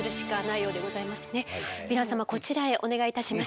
こちらへお願いいたします。